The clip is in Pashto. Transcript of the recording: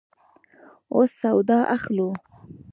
اوس سودا اخلو